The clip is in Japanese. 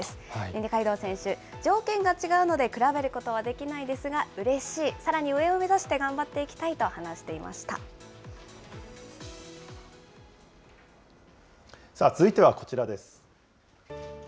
二階堂選手、条件が違うので比べることはできないですが、うれしい、さらに上を目指して頑張って続いてはこちらです。